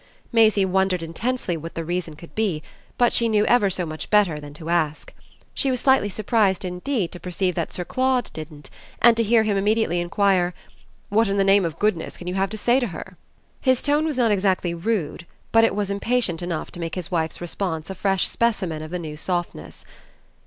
Maisie wondered intensely what the reason could be, but she knew ever so much better than to ask. She was slightly surprised indeed to perceive that Sir Claude didn't, and to hear him immediately enquire: "What in the name of goodness can you have to say to her?" His tone was not exactly rude, but it was impatient enough to make his wife's response a fresh specimen of the new softness.